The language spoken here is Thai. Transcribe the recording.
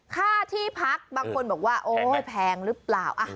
ค่าที่พักบางคนบอกว่าโอ๊ยแพงหรือเปล่า